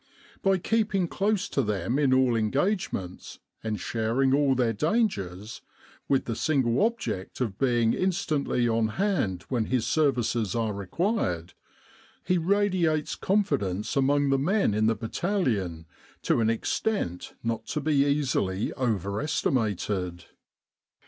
By keeping close to them in all engagements and sharing all their dangers, with the single object of being in stantly on hand when his services are required, he radiates confidence among the men in the battalion to an extent not to be easily over estimated.